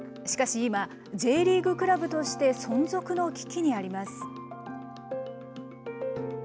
しかし今、Ｊリーグクラブとして存続の危機にあります。